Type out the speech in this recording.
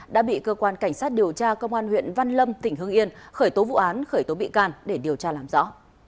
đã bị cơ quan cảnh sát điều tra công an huyện văn lâm tỉnh hương yên khởi tố vụ án khởi tố bị can để điều tra làm rõ